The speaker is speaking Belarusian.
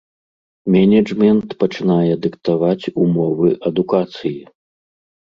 Менеджмент пачынае дыктаваць умовы адукацыі.